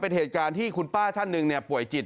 เป็นเหตุการณ์ที่คุณป้าท่านหนึ่งป่วยจิต